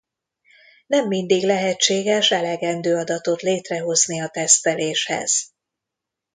Nem mindig lehetséges elegendő adatot létrehozni a teszteléshez.